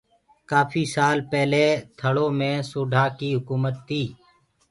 ڪآڦي سآل پيلي ٿݪو مي سوڍآ ڪي هڪومت تي